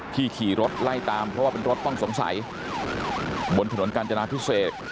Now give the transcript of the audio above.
ขี่รถไล่ตามเพราะว่าเป็นรถต้องสงสัยบนถนนกาญจนาพิเศษ